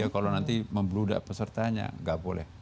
ya kalau nanti membeludak pesertanya gak boleh